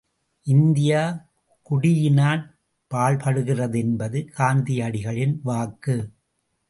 India குடியினாற் பாழ்படுகிறது என்பது காந்தியடிகளின் வாக்கு.